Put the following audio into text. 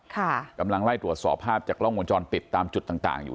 กำลังไล่ตรวจสอบภาพจากกล้องวงจรปิดตามจุดต่างต่างอยู่